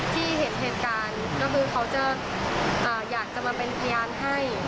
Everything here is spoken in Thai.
ที่เห็นเหตุการณ์ก็คือเขาจะอยากจะมาเป็นพยานให้